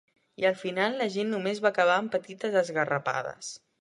I al final, la gent només va acabar amb petites esgarrapades.